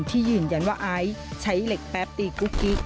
ที่ยืนยันว่าไอซ์ใช้เหล็กแป๊บตีกุ๊กกิ๊ก